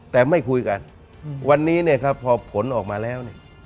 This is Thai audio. แต่ไม่คุยกันวันนี้เนี่ยครับพอผลออกมาแล้วเนี่ย